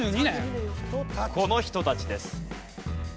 この人たちです。